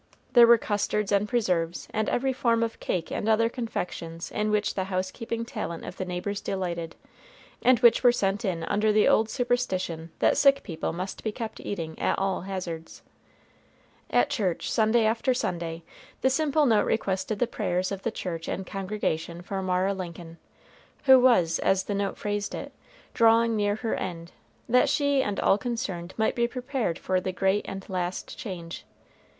There were custards and preserves, and every form of cake and other confections in which the housekeeping talent of the neighbors delighted, and which were sent in under the old superstition that sick people must be kept eating at all hazards. At church, Sunday after Sunday, the simple note requested the prayers of the church and congregation for Mara Lincoln, who was, as the note phrased it, drawing near her end, that she and all concerned might be prepared for the great and last change.